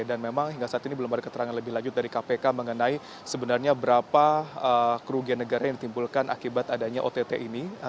dan memang hingga saat ini belum ada keterangan lebih lanjut dari kpk mengenai sebenarnya berapa kerugian negara yang ditimbulkan akibat adanya ott ini